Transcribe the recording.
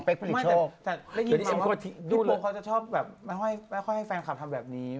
ปลูกเขาจะชอบให้แฟนคับทำแบบนี้